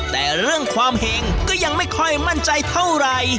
แต่เรื่องความเห็งก็ยังไม่ค่อยมั่นใจเท่าไหร่